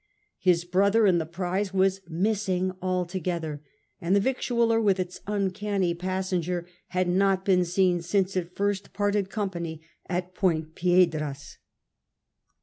His brother in the prize was missing altogether; and the victualler, with its uncanny passenger, had not been seen since it first parted company at Point Piedras.